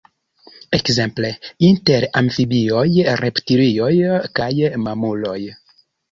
Ekzemple, inter amfibioj, reptilioj kaj mamuloj.